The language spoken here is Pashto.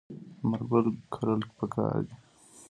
لمر ګل کرل پکار دي.